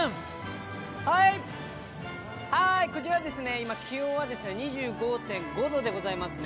はい、今、こちら気温は２２．５度でございますね。